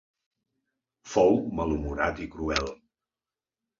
Fou malhumorat i cruel.